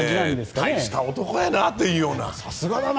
大した男やなというような。